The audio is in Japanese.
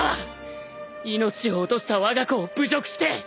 命を落としたわが子を侮辱して。